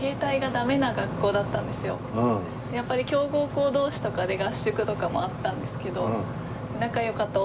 やっぱり強豪校同士とかで合宿とかもあったんですけど。